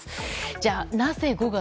じゃあなぜ５月？